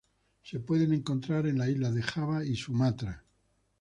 Se pueden encontrar en las islas de Java y Sumatra.